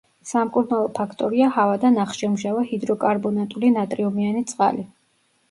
სამკურნალო ფაქტორია ჰავა და ნახშირმჟავა ჰიდროკარბონატული ნატრიუმიანი წყალი.